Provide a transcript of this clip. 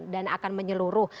dan akan menyeluruh